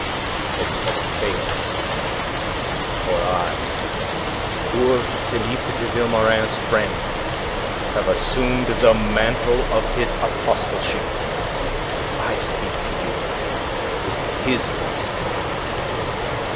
But he has failed of his object. For I, poor Philippe de Vilmorin's friend, have assumed the mantle of his apostleship, and I speak to you with his voice to day."